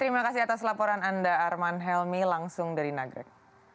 terima kasih atas laporan anda arman helmi langsung dari nagrek